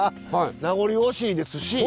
名残惜しいですし。